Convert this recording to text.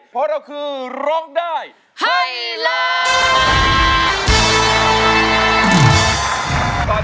เพราะเราคือร้องได้ให้ล้าน